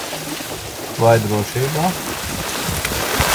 Vai drošībā?